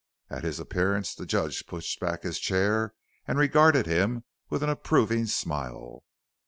At his appearance the Judge pushed back his chair and regarded him with an approving smile.